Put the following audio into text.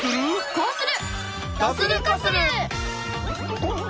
こうする！